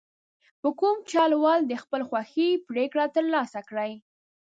په کوم چل ول د خپلې خوښې پرېکړه ترلاسه کړي.